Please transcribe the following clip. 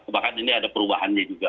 bahkan ini ada perubahannya juga